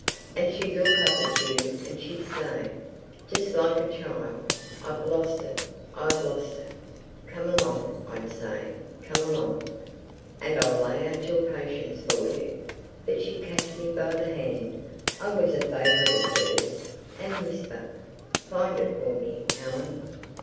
And she'd look up at you, and she'd say—just like a child, "I've lost it, I've lost it." "Come along," I'd say, "come along, and I'll lay out your patience for you." But she'd catch me by the hand—I was a favourite of hers—and whisper, "Find it for me, Ellen.